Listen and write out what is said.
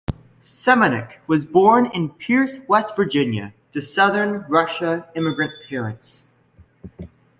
Seminick was born in Pierce, West Virginia to southern Russia immigrant parents.